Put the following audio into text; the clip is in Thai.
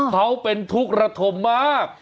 เขาเป็นทุกข์ระทมมาก